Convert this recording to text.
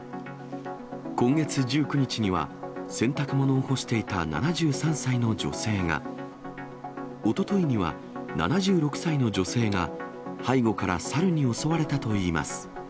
今月１９日には、洗濯物を干していた７３歳の女性が、おとといには、７６歳の女性が背後から猿に襲われたといいます。